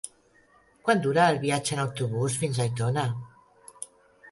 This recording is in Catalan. Quant dura el viatge en autobús fins a Aitona?